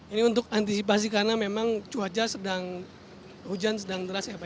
ini untuk antisipasi karena memang cuaca sedang hujan sedang deras ya pak